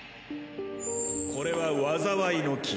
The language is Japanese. これは災いの樹。